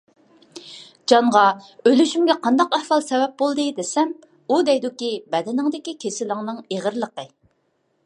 جانغا: «ئۆلۈشۈمگە قانداق ئەھۋال سەۋەب بولدى؟» دېسەم، ئۇ دەيدۇكى: «بەدىنىڭدىكى كېسىلىڭنىڭ ئېغىرلىقى».